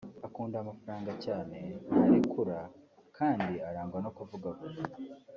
Akunda amafaranga cyane (ntarekura ) kandi arangwa no kuvugavuga